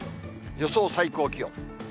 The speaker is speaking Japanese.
予想最高気温。